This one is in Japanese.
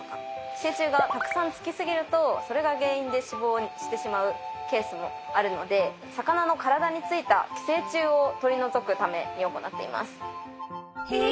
寄生虫がたくさんつきすぎるとそれが原因で死亡してしまうケースもあるので魚の体についた寄生虫を取り除くために行っています。